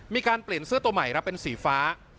มีการเปลี่ยนเสื้อตัวใหม่รับเป็นสีฟ้า